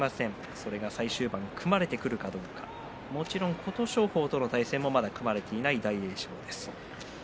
このあと組まれてくるかもちろん琴勝峰との対戦も組まれていない大栄翔です。